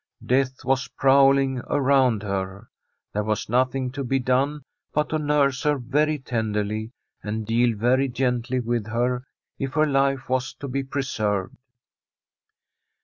Death was prowling around her. There was nothing to be done but to nurse her very tenderly and deal very gently with her if her life was to be preserved.